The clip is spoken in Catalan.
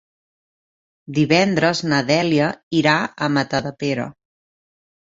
Divendres na Dèlia irà a Matadepera.